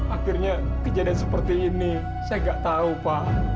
akhirnya kejadian seperti ini saya nggak tahu pak